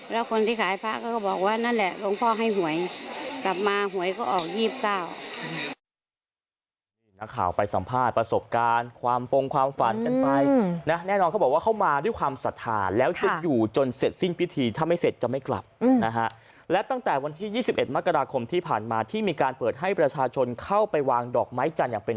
แล้วคนที่ขายพระก็บอกว่านั่นแหละลุงพ่อให้หวย